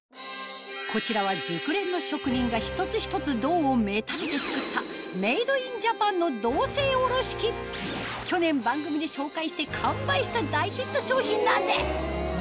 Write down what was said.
こちらは熟練の職人が一つ一つ銅を目立てて作ったメイドインジャパンの銅製おろし器去年番組で紹介して完売した大ヒット商品なんです